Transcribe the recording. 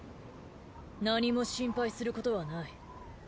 何も心配することはない。